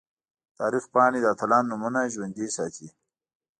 د تاریخ پاڼې د اتلانو نومونه ژوندۍ ساتي.